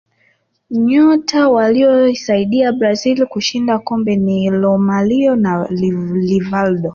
nyota waliyoisaidia brazil kushinda kombe ni romario na rivaldo